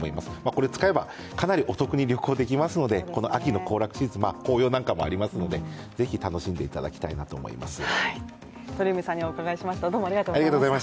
これを使えばかなりお得に旅行できますのでこの秋の行楽シーズン、紅葉なんかもありますので是非楽しんでいただきたいなと思います。